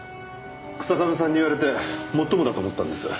日下部さんに言われてもっともだと思ったんです。